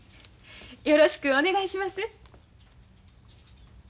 よろしくお願いします。